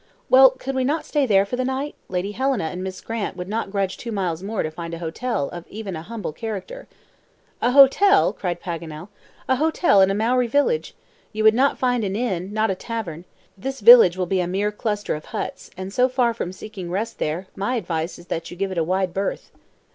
"Well, could we not stay there for the night? Lady Helena and Miss Grant would not grudge two miles more to find a hotel even of a humble character." "A hotel!" cried Paganel, "a hotel in a Maori village! you would not find an inn, not a tavern! This village will be a mere cluster of huts, and so far from seeking rest there, my advice is that you give it a wide berth."